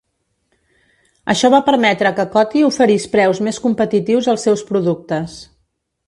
Això va permetre que Coty oferís preus més competitius als seus productes.